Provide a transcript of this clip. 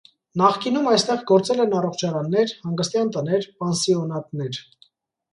Նախկինում այստեղ գործել են առողջարաններ, հանգստյան տներ, պանսիոնատներ։